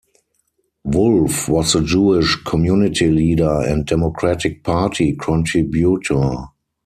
Wolf was a Jewish community leader and Democratic Party contributor.